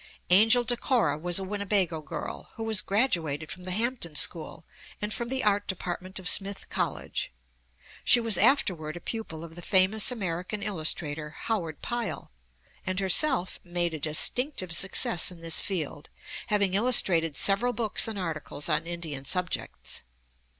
Angel DeCora was a Winnebago girl, who was graduated from the Hampton school and from the art department of Smith College. She was afterward a pupil of the famous American illustrator, Howard Pyle, and herself made a distinctive success in this field, having illustrated several books and articles on Indian subjects.